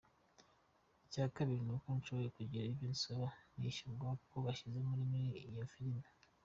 "Icya kabiri, ni uko nshobora kugira ibyo nsaba nishyurwa kuko banshyize muri iyo filime.